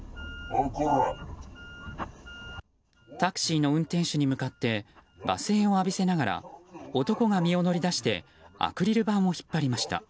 タクシーの運転手に向かって罵声を浴びせながら男が身を乗り出してアクリル板を引っ張りました。